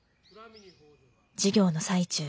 授業の最中